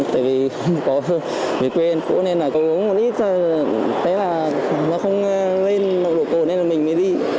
tại vì không có mấy quên phố nên là cũng một ít tế là nó không lên nồng độ cồn nên là mình mới đi